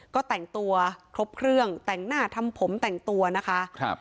ก็แต่งตัวครบเครื่องแต่งหน้าทำผมแต่งตัวนะคะครับ